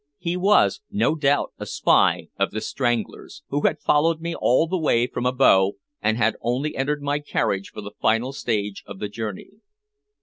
He was, no doubt, a spy of "The Strangler's," who had followed me all the way from Abo, and had only entered my carriage for the final stage of the journey.